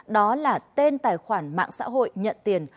đó là tên tài khoản mạng xã hội nhận tiền